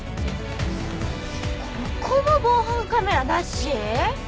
ここも防犯カメラなし。